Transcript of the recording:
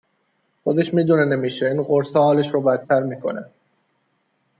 خودش میدونه نمیشه این قرصا حالش رو بدتر میکنه